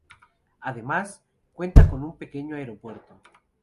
Además, cuenta con un pequeño aeropuerto.